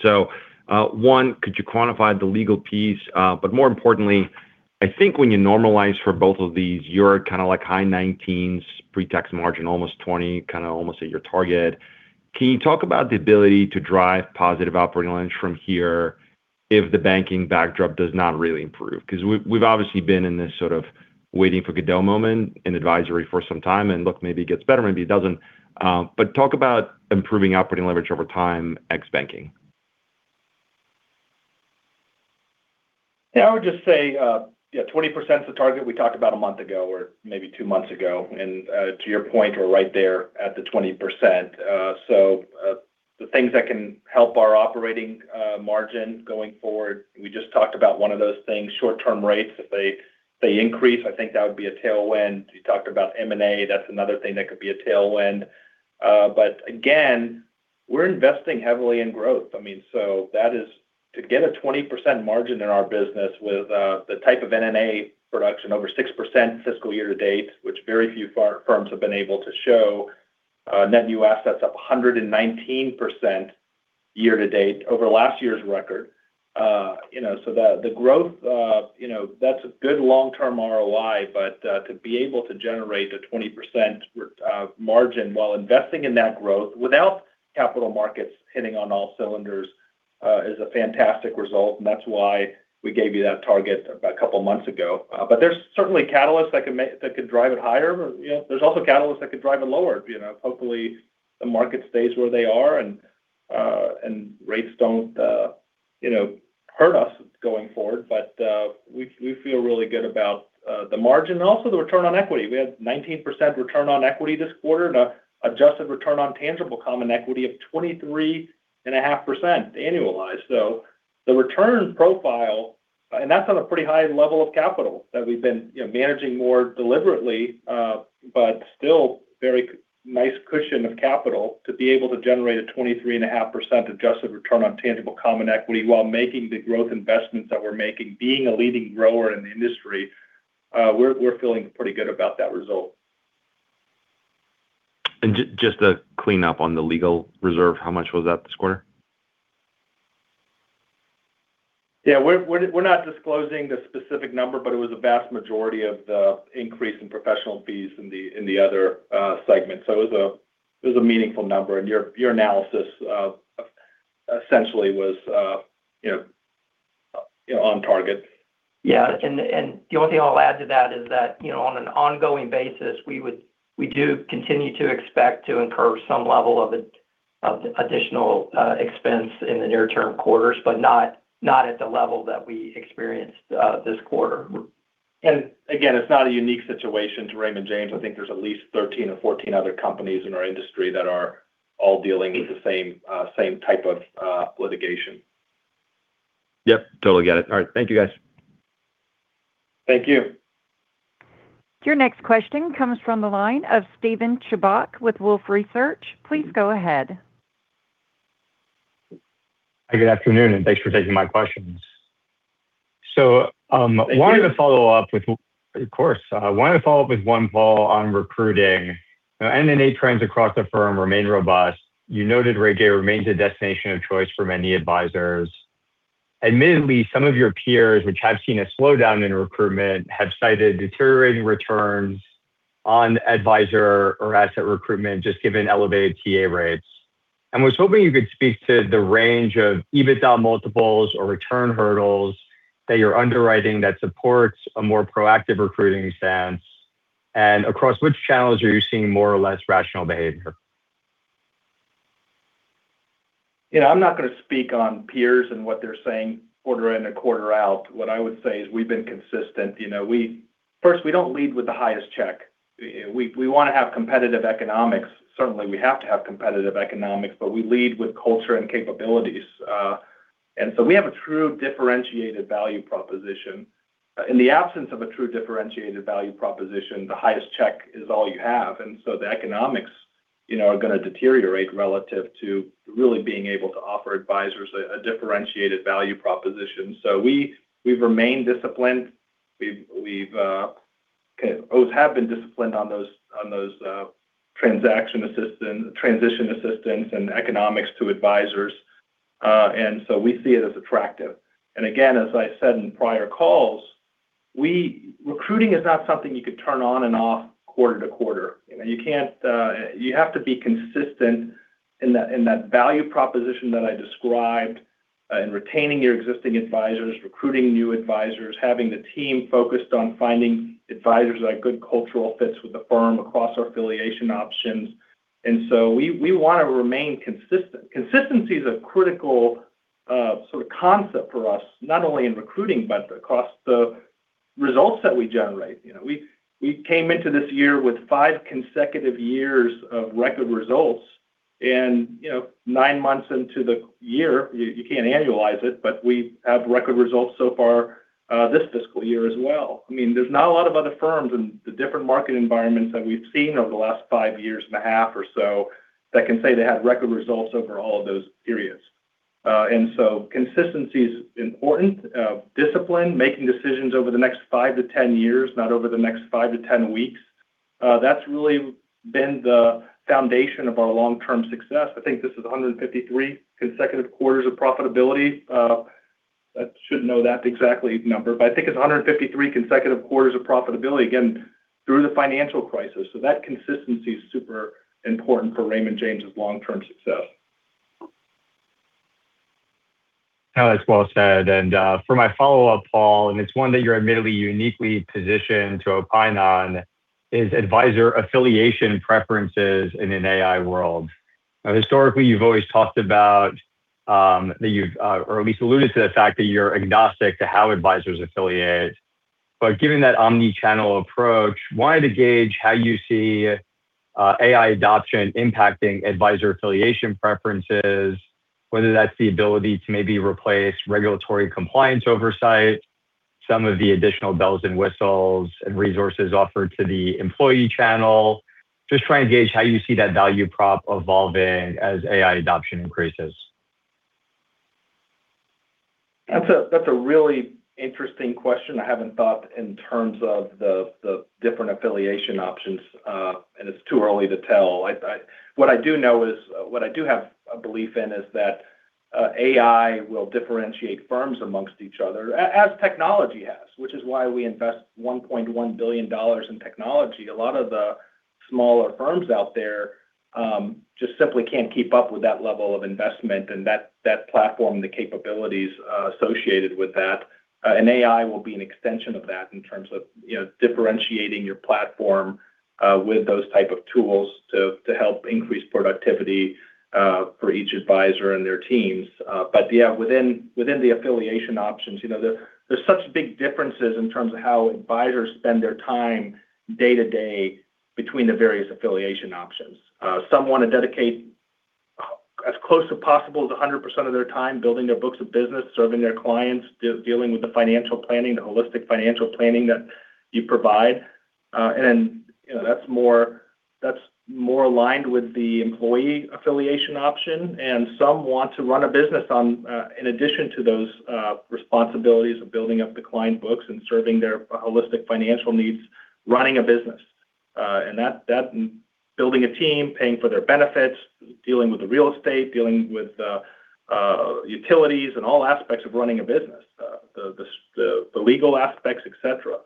One, could you quantify the legal piece? More importantly, I think when you normalize for both of these, you're kind of like high 19s pre-tax margin, almost 20, kind of almost at your target. Can you talk about the ability to drive positive operating leverage from here if the banking backdrop does not really improve? We've obviously been in this sort of waiting for Godot moment in advisory for some time, and look, maybe it gets better, maybe it doesn't. Talk about improving operating leverage over time, ex banking. I would just say, 20% is the target we talked about a month ago or maybe two months ago. To your point, we're right there at the 20%. The things that can help our operating margin going forward, we just talked about one of those things, short-term rates. If they increase, I think that would be a tailwind. You talked about M&A. That's another thing that could be a tailwind. Again, we're investing heavily in growth. To get a 20% margin in our business with the type of M&A production, over 6% fiscal year to date, which very few firms have been able to show. Net new assets up 119% year to date over last year's record. The growth, that's a good long-term ROI. To be able to generate a 20% margin while investing in that growth without Capital Markets hitting on all cylinders is a fantastic result. That's why we gave you that target a couple of months ago. There's certainly catalysts that could drive it higher. There's also catalysts that could drive it lower. Hopefully the market stays where they are and rates don't hurt us going forward. We feel really good about the margin and also the return on equity. We had 19% return on equity this quarter and adjusted return on tangible common equity of 23.5% annualized. The return profile, and that's on a pretty high level of capital that we've been managing more deliberately. Still very nice cushion of capital to be able to generate a 23.5% adjusted return on tangible common equity while making the growth investments that we're making. Being a leading grower in the industry, we're feeling pretty good about that result. Just to clean up on the legal reserve, how much was that this quarter? Yeah. We're not disclosing the specific number, but it was a vast majority of the increase in professional fees in the other segment. It was a meaningful number and your analysis essentially was on target. Yeah. The only thing I'll add to that is that on an ongoing basis, we do continue to expect to incur some level of additional expense in the near-term quarters, but not at the level that we experienced this quarter. Again, it's not a unique situation to Raymond James. I think there's at least 13 or 14 other companies in our industry that are all dealing with the same type of litigation. Yep. Totally get it. All right. Thank you, guys. Thank you. Your next question comes from the line of Steven Chubak with Wolfe Research. Please go ahead. Good afternoon, and thanks for taking my questions. Thank you. Of course. I want to follow up with one follow on recruiting. M&A trends across the firm remain robust. You noted RJ remains a destination of choice for many advisors. Admittedly, some of your peers which have seen a slowdown in recruitment have cited deteriorating returns on advisor or asset recruitment, just given elevated TA rates. Was hoping you could speak to the range of EBITDA multiples or return hurdles that you're underwriting that supports a more proactive recruiting stance. Across which channels are you seeing more or less rational behavior? I'm not going to speak on peers and what they're saying quarter in and quarter out. What I would say is we've been consistent. First, we don't lead with the highest check. We want to have competitive economics. Certainly, we have to have competitive economics, but we lead with culture and capabilities. We have a true differentiated value proposition. In the absence of a true differentiated value proposition, the highest check is all you have. The economics are going to deteriorate relative to really being able to offer advisors a differentiated value proposition. We've remained disciplined. We always have been disciplined on those transition assistance and economics to advisors. We see it as attractive. Again, as I said in prior calls, recruiting is not something you could turn on and off quarter-to-quarter. You have to be consistent in that value proposition that I described in retaining your existing advisors, recruiting new advisors, having the team focused on finding advisors that are good cultural fits with the firm across our affiliation options. We want to remain consistent. Consistency is a critical sort of concept for us, not only in recruiting, but across the results that we generate. We came into this year with five consecutive years of record results. Nine months into the year, you can't annualize it, but we have record results so far this fiscal year as well. There's not a lot of other firms in the different market environments that we've seen over the last five years and a half or so that can say they have record results over all of those periods. Consistency's important. Discipline, making decisions over the next 5 to 10 years, not over the next 5 to 10 weeks. That's really been the foundation of our long-term success. I think this is 153 consecutive quarters of profitability. I should know that exact number, but I think it's 153 consecutive quarters of profitability, again, through the financial crisis. That consistency's super important for Raymond James' long-term success. That's well said. For my follow-up, Paul, and it's one that you're admittedly uniquely positioned to opine on, is advisor affiliation preferences in an AI world. Historically, you've always talked about, or at least alluded to the fact that you're agnostic to how advisors affiliate. Given that omni-channel approach, wanted to gauge how you see AI adoption impacting advisor affiliation preferences, whether that's the ability to maybe replace regulatory compliance oversight, some of the additional bells and whistles and resources offered to the employee channel. Just trying to gauge how you see that value prop evolving as AI adoption increases. That's a really interesting question. I haven't thought in terms of the different affiliation options, it's too early to tell. What I do have a belief in is that AI will differentiate firms amongst each other, as technology has, which is why we invest $1.1 billion in technology. A lot of the smaller firms out there just simply can't keep up with that level of investment and that platform, the capabilities associated with that. AI will be an extension of that in terms of differentiating your platform with those type of tools to help increase productivity for each advisor and their teams. Yeah, within the affiliation options, there's such big differences in terms of how advisors spend their time day to day between the various affiliation options. Some want to dedicate as close to possible to 100% of their time building their books of business, serving their clients, dealing with the financial planning, the holistic financial planning that you provide. That's more aligned with the employee affiliation option. Some want to run a business in addition to those responsibilities of building up the client books and serving their holistic financial needs, running a business. That's building a team, paying for their benefits, dealing with the real estate, dealing with utilities and all aspects of running a business, the legal aspects, et cetera.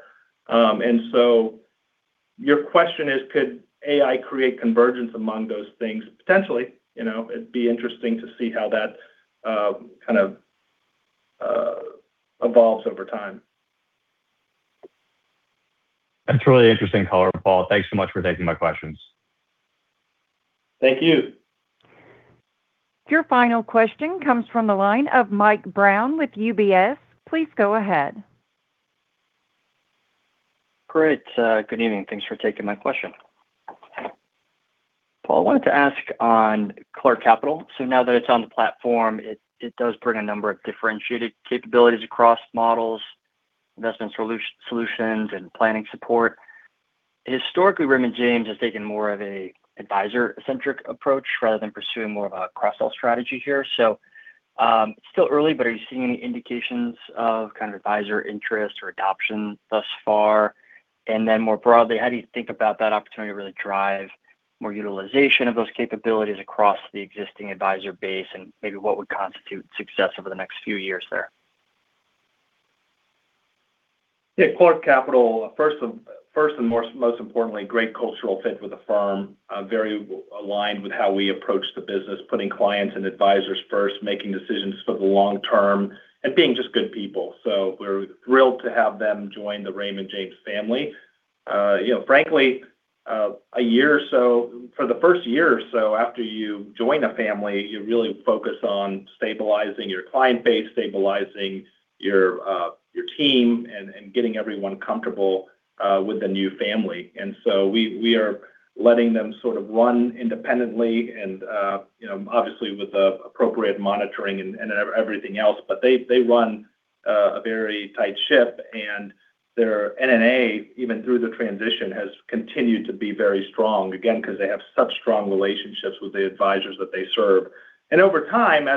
Your question is, could AI create convergence among those things? Potentially. It'd be interesting to see how that kind of evolves over time. That's really interesting color, Paul. Thanks so much for taking my questions. Thank you. Your final question comes from the line of Michael Brown with UBS. Please go ahead. Great. Good evening. Thanks for taking my question. Paul, I wanted to ask on Clark Capital. Now that it's on the platform, it does bring a number of differentiated capabilities across models, investment solutions, and planning support. Historically, Raymond James has taken more of a advisor-centric approach rather than pursuing more of a cross-sell strategy here. It's still early, but are you seeing any indications of kind of advisor interest or adoption thus far? More broadly, how do you think about that opportunity to really drive more utilization of those capabilities across the existing advisor base, and maybe what would constitute success over the next few years there? Yeah. Clark Capital, first and most importantly, great cultural fit with the firm, very aligned with how we approach the business, putting clients and advisors first, making decisions for the long term, and being just good people. We're thrilled to have them join the Raymond James family. Frankly, for the first year or so after you join a family, you really focus on stabilizing your client base, stabilizing your team, and getting everyone comfortable with the new family. We are letting them sort of run independently and, obviously with the appropriate monitoring and everything else, but they run a very tight ship, and their NNA, even through the transition, has continued to be very strong, again, because they have such strong relationships with the advisors that they serve. Over time,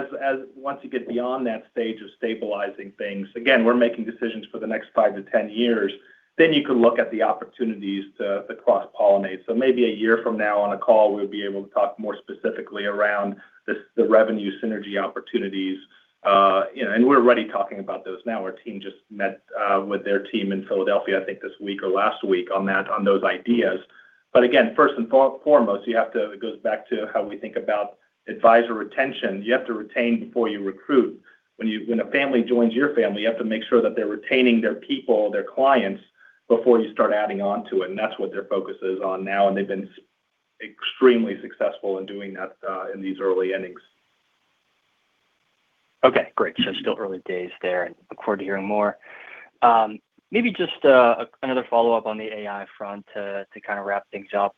once you get beyond that stage of stabilizing things, again, we're making decisions for the next 5 to 10 years, then you can look at the opportunities to cross-pollinate. Maybe a year from now on a call, we'll be able to talk more specifically around the revenue synergy opportunities. We're already talking about those now. Our team just met with their team in Philadelphia, I think this week or last week, on those ideas. Again, first and foremost, it goes back to how we think about advisor retention. You have to retain before you recruit. When a family joins your family, you have to make sure that they're retaining their people, their clients, before you start adding on to it. That's what their focus is on now, and they've been extremely successful in doing that in these early innings. Okay, great. Still early days there, and look forward to hearing more. Maybe just another follow-up on the AI front to wrap things up.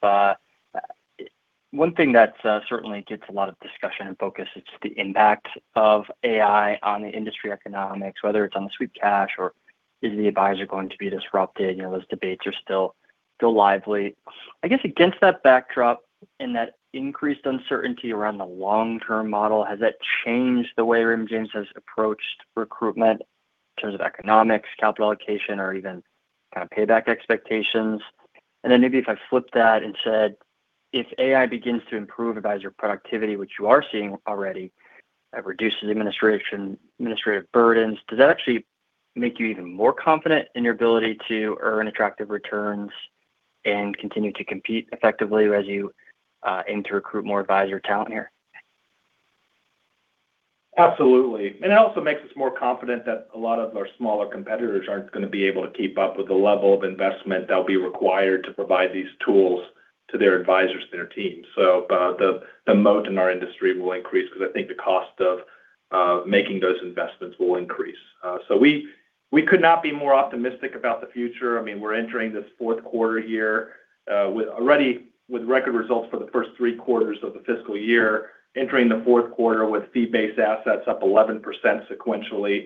One thing that certainly gets a lot of discussion and focus is the impact of AI on the industry economics, whether it's on the sweep cash or is the advisor going to be disrupted? Those debates are still lively. I guess against that backdrop and that increased uncertainty around the long-term model, has that changed the way Raymond James has approached recruitment in terms of economics, capital allocation, or even payback expectations? Maybe if I flip that and said, if AI begins to improve advisor productivity, which you are seeing already, reduces administrative burdens, does that actually make you even more confident in your ability to earn attractive returns and continue to compete effectively as you aim to recruit more advisor talent here? Absolutely. It also makes us more confident that a lot of our smaller competitors aren't going to be able to keep up with the level of investment that will be required to provide these tools to their advisors and their teams. The moat in our industry will increase because I think the cost of making those investments will increase. We could not be more optimistic about the future. We're entering this Q4 here, already with record results for the first three quarters of the fiscal year, entering the Q4 with fee-based assets up 11% sequentially,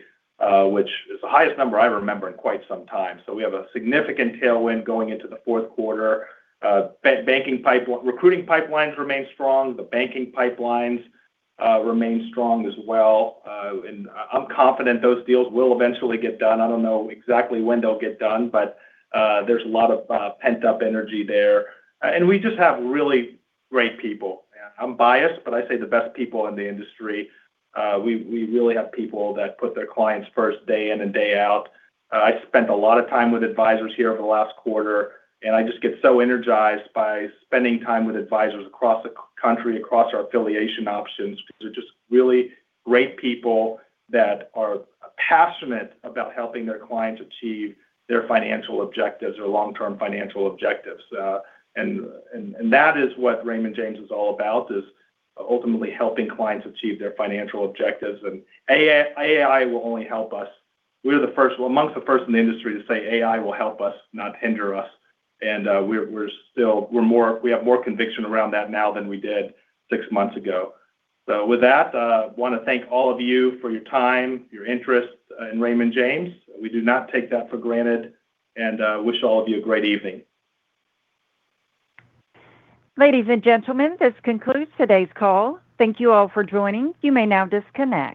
which is the highest number I remember in quite some time. We have a significant tailwind going into the Q4. Recruiting pipelines remain strong. The banking pipelines remain strong as well. I'm confident those deals will eventually get done. I don't know exactly when they'll get done, but there's a lot of pent-up energy there. We just have really great people. I'm biased, but I say the best people in the industry. We really have people that put their clients first day in and day out. I spent a lot of time with advisors here over the last quarter, and I just get so energized by spending time with advisors across the country, Across our affiliation options, because they're just really great people that are passionate about helping their clients achieve their financial objectives or long-term financial objectives. That is what Raymond James is all about, is ultimately helping clients achieve their financial objectives. AI will only help us. We're amongst the first in the industry to say AI will help us, not hinder us. We have more conviction around that now than we did six months ago. With that, I want to thank all of you for your time, your interest in Raymond James. We do not take that for granted and wish all of you a great evening. Ladies and gentlemen, this concludes today's call. Thank you all for joining. You may now disconnect.